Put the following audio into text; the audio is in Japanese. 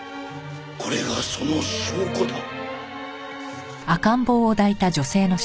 これがその証拠だ。